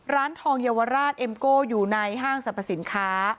ร้านทองเยาวราชเอ็มโก้อยู่ในห้างสรรพสินค้า